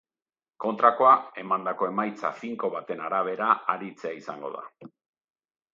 Kontrakoa, emandako emaitza finko baten arabera aritzea izango da.